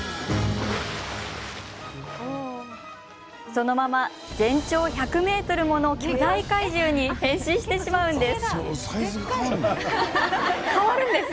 そのまま全長１００ｍもの巨大怪獣に変身してしまいます。